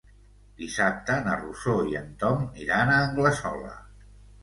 Dissabte na Rosó i en Tom iran a Anglesola.